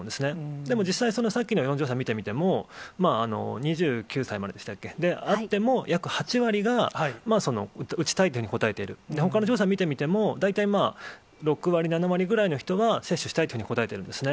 でも実際、さっきのを見てみても、２９歳でしたっけ、であっても約８割が打ちたいというふうに答えている、ほかの調査見てみても、大体６割、７割ぐらいの人が、接種したいというふうに答えてるんですね。